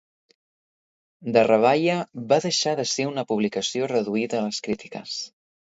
The Ravaya va deixar de ser una publicació reduïda a les crítiques.